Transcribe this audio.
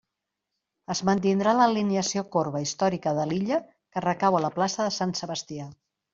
Es mantindrà l'alineació corba històrica de l'illa que recau a la plaça de Sant Sebastià.